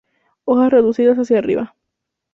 Hojas reducidas hacia arriba.